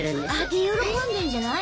で喜んでんじゃない？